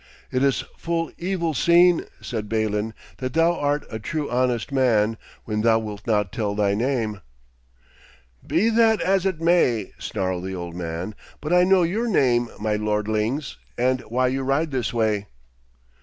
'It is full evil seen,' said Balin, 'that thou art a true honest man, when thou wilt not tell thy name.' 'Be that as it may,' snarled the old man, 'but I know your name, my lordlings, and why you ride this way.'